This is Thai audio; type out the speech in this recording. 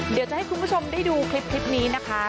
เดี๋ยวจะให้คุณผู้ชมได้ดูคลิปนี้นะคะ